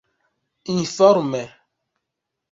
informe